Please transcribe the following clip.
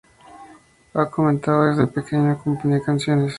Ha comentado que desde pequeño componía canciones.